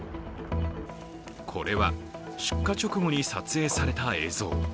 これは出火直後に撮影された映像。